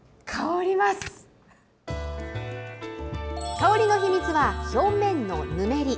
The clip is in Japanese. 香りの秘密は、表面のぬめり。